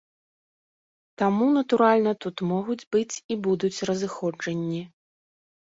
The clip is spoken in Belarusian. Таму, натуральна, тут могуць быць і будуць разыходжанні.